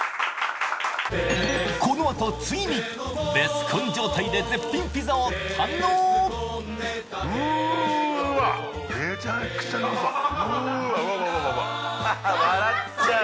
このあとついにベスコン状態で絶品ピザを堪能うわっ